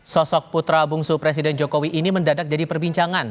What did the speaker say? sosok putra bungsu presiden jokowi ini mendadak jadi perbincangan